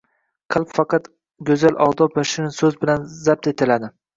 Qalb faqat go‘zal odob va shirin so‘z bilan zabt etiladi.